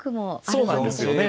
そうなんですよね。